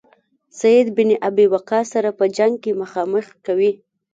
سعد بن ابي وقاص سره په جنګ کې مخامخ کوي.